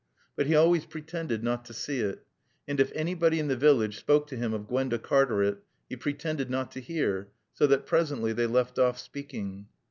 But he always pretended not to see it. And if anybody in the village spoke to him of Gwenda Cartaret he pretended not to hear, so that presently they left off speaking.